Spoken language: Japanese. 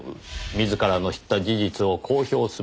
自らの知った事実を公表すべきか」